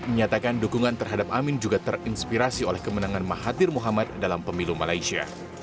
menyatakan dukungan terhadap amin juga terinspirasi oleh kemenangan mahathir muhammad dalam pemilu malaysia